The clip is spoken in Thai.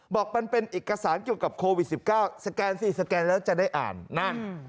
บอกมันเป็นเอกสารเกี่ยวกับโควิด๑๙สแกนสิสแกนแล้วจะได้อ่านนั่น